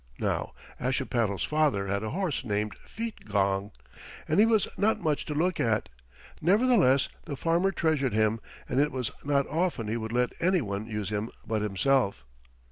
Now Ashipattle's father had a horse named Feetgong, and he was not much to look at. Nevertheless the farmer treasured him, and it was not often he would let any one use him but himself.